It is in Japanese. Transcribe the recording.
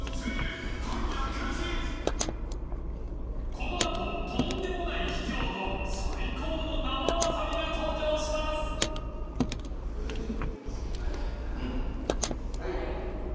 ［この後とんでもない秘境と最高の生ワサビが登場します］よいしょ。